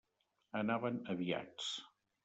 Anaven aviats!